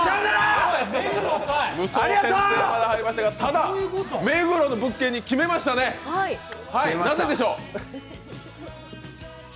ただ、目黒の物件に決めましたね、なぜでしょう？